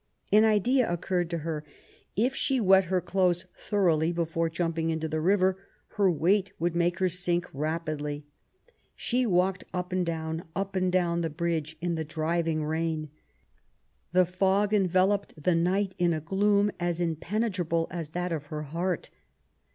An idea occurred to her: if she wet her clothes thoroughly before jumping into the river, their weight would make her sink rapidly. She walked up and down, up and down the bridge in the driving rain. The fog en veloped the night in a gloom as impenetrable as that of her heart.